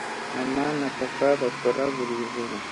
mama na papa bakora buri joro.